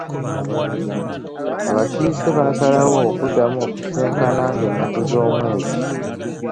Abakiise baasalawo okuddamu okusisinkana ng’ennaku z’omwezi.